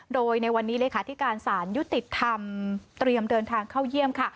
โดยในวันนี้เลขาธิการสารยุติธรรมเตรียมเดินทางเข้าเยี่ยมค่ะ